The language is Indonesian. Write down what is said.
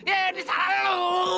ini salah lo